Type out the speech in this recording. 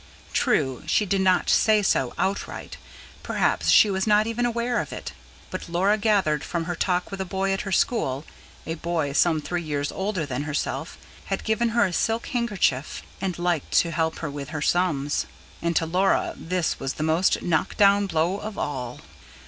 True, she did not say so outright; perhaps she was not even aware of it; but Laura gathered from her talk that a boy at her school, a boy some three years older than herself, had given her a silk handkerchief and liked to help her with her sums. And to Laura this was the most knockdown blow of all.